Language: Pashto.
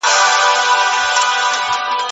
د داستان په تحقیق کي وخت ته پام وکړئ.